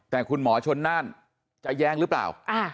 แต่คุณหมอชนน่านจะแย้งหรือเปล่า